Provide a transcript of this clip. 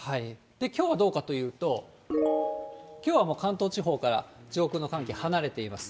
きょうはどうかというと、きょうはもう、関東地方から上空の寒気離れています。